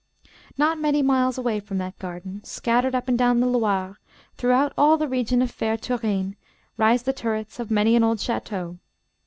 Not many miles away from that old garden, scattered up and down the Loire throughout all the region of fair Tourraine, rise the turrets of many an old château.